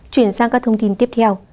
chuyển sang các thông tin tiếp theo